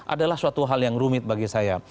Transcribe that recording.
adalah suatu hal yang rumit bagi saya